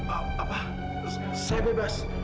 apa saya bebas